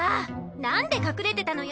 なんで隠れてたのよ！